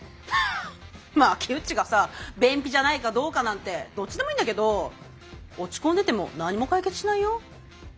まあキウッチがさ便秘じゃないかどうかなんてどっちでもいいんだけど落ち込んでても何も解決しないよ。